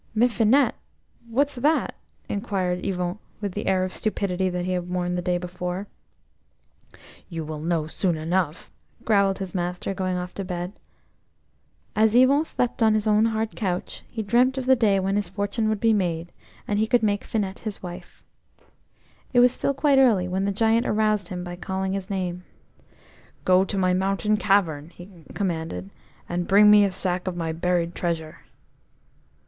"'Mifinet'–what's that?" inquired Yvon with the air of stupidity that he had worn the day before. "You wil1 know soon enough," growled his master, going off to bed. As Yvon slept on his own hard couch, he dreamt of the day when his fortune would be made, and he could make Finette his wife. It was still quite early when the Giant aroused him by calling his name. "Go to my mountain cavern," he commanded, "and bring me a sack of my buried treasure."